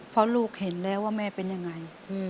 เพราะลูกเห็นแล้วว่าแม่เป็นยังไง